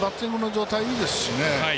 状態いいですしね。